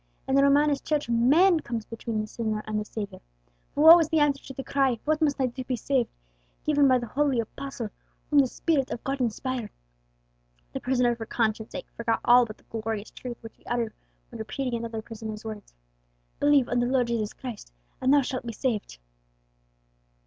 In the Romanist Church man comes between the sinner and the Saviour. But what was the answer to the cry, 'What must I do to be saved?' given by the holy apostle whom the Spirit of God inspired?" The prisoner for conscience' sake forgot all but the glorious truth which he uttered when repeating another prisoner's words, "'_Believe on the Lord Jesus Christ, and thou shalt be saved!